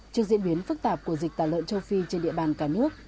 trước diễn biến phức tạp của dịch tả lợn châu phi trên địa bàn cả nước